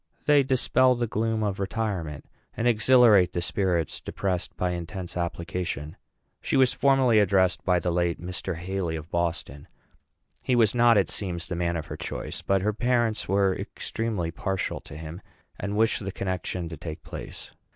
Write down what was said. They dispel the gloom of retirement, and exhilarate the spirits depressed by intense application. She was formerly addressed by the late Mr. Haly, of Boston. He was not, it seems, the man of her choice; but her parents were extremely partial to him, and wished the connection to take place.